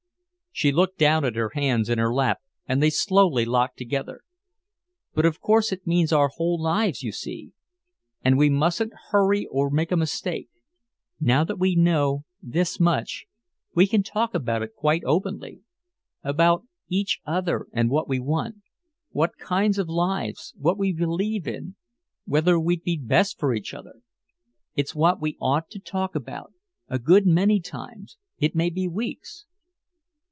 She looked down at her hands in her lap and they slowly locked together. "But of course it means our whole lives, you see and we mustn't hurry or make a mistake. Now that we know this much we can talk about it quite openly about each other and what we want what kinds of lives what we believe in whether we'd be best for each other. It's what we ought to talk about a good many times it may be weeks."